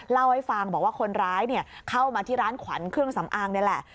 เล่าให้ฟังบอกว่าคนร้ายเข้ามาที่ร้านขวัญเครื่องสำอางนี่แหละ